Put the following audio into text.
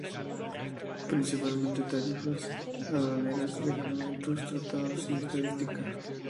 Principalmente tarifas aduaneras, reglamentos, tratados y estadística.